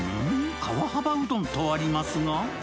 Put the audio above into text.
川幅うどんとありますが？